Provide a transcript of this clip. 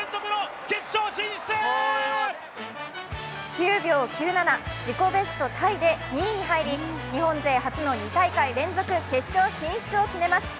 ９秒９７、自己ベストタイで２位に入り、日本勢初の２大会連続決勝進出を決めます。